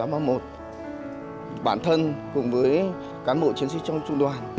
bản thân cùng với cán bộ chiến sĩ trong trung đoàn